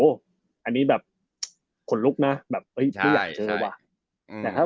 โหอันนี้แบบขนลุกนะแบบเอ้ยพูดว่าจะเจอหรือเปล่า